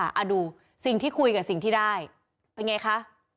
เอาดูสิ่งที่คุยกับสิ่งที่ได้เป็นไงคะ